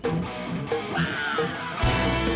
warung siapa doi